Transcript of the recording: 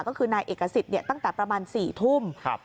ก็คือในเอกสิตเนี่ยตั้งแต่ประมาณ๔๐๐น